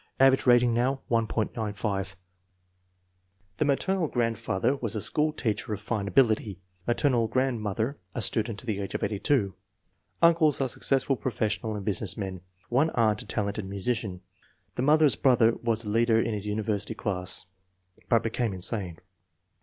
Average rat ing now, 1.95. The maternal grandfather was a school teacher of " fine ability.*' Maternal grandmother " a student to the age of 82." Uncles are successful professional and business men. One aunt a talented musician. The mother's brother was a leader in his university class, but became insane.